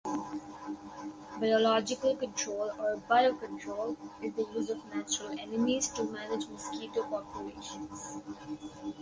Biological control or "biocontrol" is the use of natural enemies to manage mosquito populations.